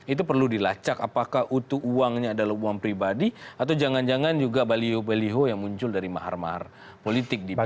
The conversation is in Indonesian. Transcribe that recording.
itu perlu dilacak apakah utuh uangnya adalah uang pribadi atau jangan jangan juga baliho baliho yang muncul dari mahar mahar politik